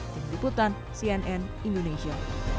tim liputan cnn indonesia